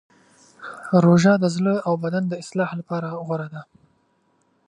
روژه د زړه او بدن د اصلاح لپاره غوره ده.